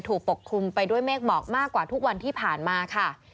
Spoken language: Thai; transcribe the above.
พร้อมยังคลุมมีอยู่ด้วยเมฆหมอกมากกว่าทุกวันที่ผ่านมาค่ะ